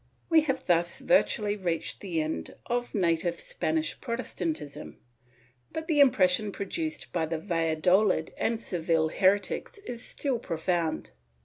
^ We have thus virtually reached the end of native Spanish Protestantism, but the impression produced by the Valladolid and Seville heretics was still profound.